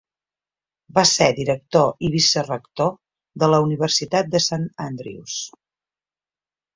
Va ser director i vicerector de la Universitat de Saint Andrews.